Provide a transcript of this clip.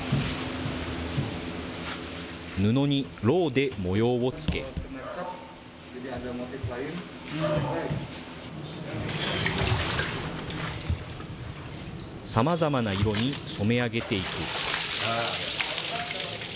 布にロウで模様をつけ、さまざまな色に染め上げていく。